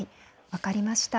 分かりました。